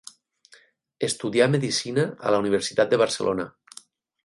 Estudià medicina a la Universitat de Barcelona.